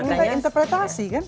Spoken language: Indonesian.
iya kita interpretasi kan